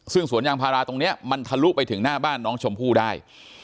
ซึ่งสวนยางพาราตรงนี้มันทะลุไปถึงหน้าบ้านน้องชมพู่ได้